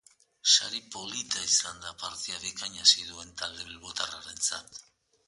Sari polita izan da partida bikain hasi duen talde bilbotarrarentzat.